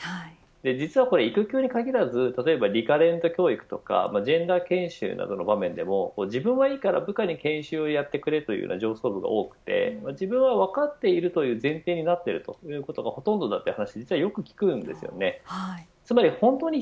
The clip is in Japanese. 実は育休に限らずリカレント教育とかジェンダー研修などの場面でも自分はいいから部下に研修をやってくれというような上層部が多くて自分は分かっているという前提になっているというのがほとんどだという話をよく聞きます。